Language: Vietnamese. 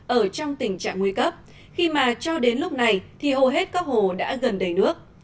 ở trong tình trạng nguy cấp khi mà cho đến lúc này thì hầu hết các hồ đã gần đầy nước